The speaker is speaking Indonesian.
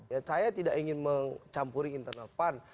ya saya tidak ingin mencampuri internal pan